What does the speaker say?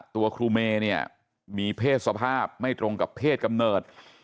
ตัวครูเมย์เนี่ยมีเพศสภาพไม่ตรงกับเพศกำเนิด